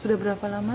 sudah berapa lama